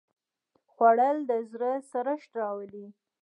خوړل د زړه سړښت راولي